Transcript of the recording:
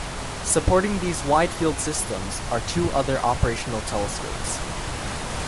Supporting these wide field systems are two other operational telescopes.